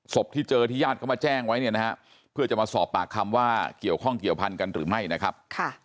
ที่เจอที่ญาติเขามาแจ้งไว้เนี่ยนะฮะเพื่อจะมาสอบปากคำว่าเกี่ยวข้องเกี่ยวพันธุ์กันหรือไม่นะครับ